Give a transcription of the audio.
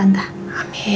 amin ya allah amin